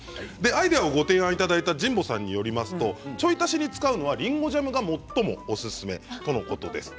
アイデアをご提案いただいた神保さんによると、ちょい足しに使うのは、りんごジャムが最もおすすめとのことです。